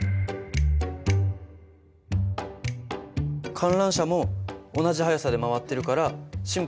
観覧車も同じ速さで回ってるからシンプルな動きだよね。